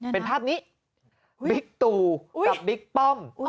เป็นภาพนี้บิ๊กตูกับบิ๊กป้อม